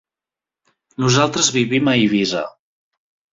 Nosaltres vivim a Eivissa.